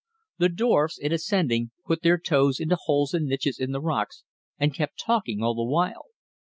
The dwarfs, in ascending, put their toes into holes and niches in the rocks and kept talking all the while.